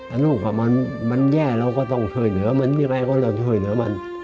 อันตรงของมันมันแย่เราก็ต้องช่วยเหนือมันมีใครก็ต้องช่วยเหนือมัน